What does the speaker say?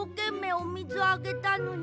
おみずをあげたのに。